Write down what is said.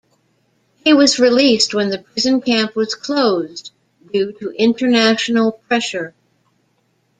He was released when the prison camp was closed due to international pressure.